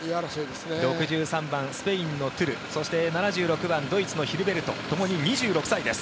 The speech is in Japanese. ６３番、スペインのトゥルそして７６番ドイツのヒルベルトともに２６歳です。